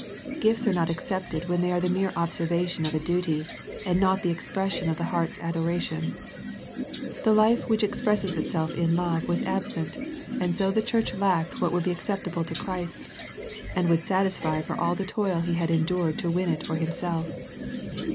Gifts are not accepted when they are the mere observance of a duty, ^and not the expression of the heart's adoration. The life which expresses itself in love was ab sent, and so the church lacked what would be acceptable to Christ, and would satisfy for all the toil He had endured to win it for Himself.